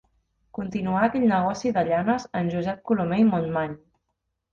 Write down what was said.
Continuà aquell negoci de llanes en Josep Colomer i Montmany.